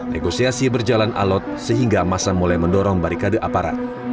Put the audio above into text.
negosiasi berjalan alot sehingga masa mulai mendorong barikade aparat